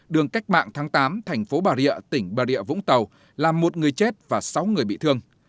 đường cách mạng tháng tám thành phố bà rịa tỉnh bà rịa vũng tàu làm một người chết và sáu người bị thương